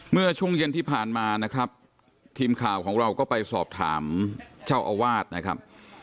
เมื่อช่วงเย็นที่ผ่านมานะครับทีมข่าวของเราก็ไปสอบถามเจ้าอาวาสนะครับ